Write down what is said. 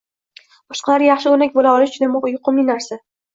Boshqalarga yaxshi o‘rnak bo‘la olish juda yuqumli narsa.